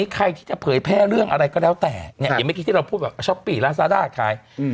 ก็เผยแพร่เรื่องอะไรก็แล้วแต่อย่าไม่คิดที่เราพูดแบบช้อปปี้ลาซาด้าใคร